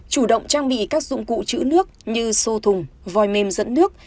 chủ động trang bị các dụng cụ chữ nước như xô thùng vòi mềm dẫn nước